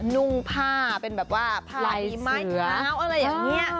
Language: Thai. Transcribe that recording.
นุ่งผ้าเป็นแบบว่าไผ่ไม้เท้าอะไรอย่างนี้